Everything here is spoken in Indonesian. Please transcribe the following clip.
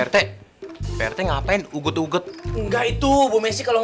terima kasih ada bukti lohon